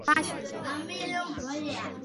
第二次世界大战后成为驻日美军的基地。